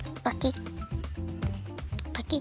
パキッ！